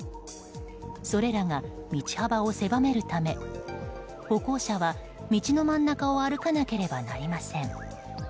それらが道幅を狭めるため歩行者は道の真ん中を歩かなければなりません。